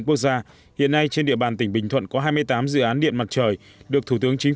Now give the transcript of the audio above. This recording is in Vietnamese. quốc gia hiện nay trên địa bàn tỉnh bình thuận có hai mươi tám dự án điện mặt trời được thủ tướng chính